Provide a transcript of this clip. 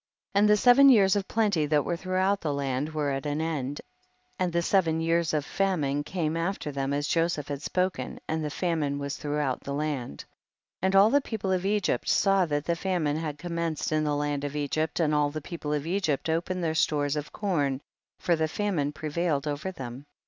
18. And the seven years of plenty that were throughout the land were at an end, and the seven years of famine came after them as Joseph had spoken, and the famine was throughout the land. 19. And all the people of 'Egypi saw that the famine had commenced in the land of Egypt, and all the people of Egypt opened their stores of corn for the famine prevailed over them.